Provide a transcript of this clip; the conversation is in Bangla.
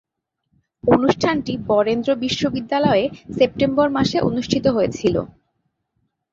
অনুষ্ঠানটি বরেন্দ্র বিশ্ববিদ্যালয়ে সেপ্টেম্বর মাসে অনুষ্ঠিত হয়েছিলো।